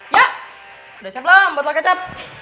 ya udah siap lah buatlah kecap